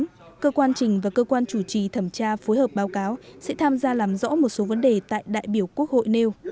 trong đó cơ quan trình và cơ quan chủ trì thẩm tra phối hợp báo cáo sẽ tham gia làm rõ một số vấn đề tại đại biểu quốc hội nêu